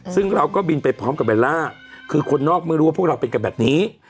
ซึ่งเราก็บินไปพร้อมกับเบลล่าคือคนนอกไม่รู้ว่าพวกเราเป็นกันแบบนี้